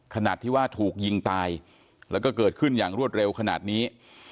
ขนาดที่ว่าถูกยิงตายแล้วก็เกิดขึ้นอย่างรวดเร็วขนาดนี้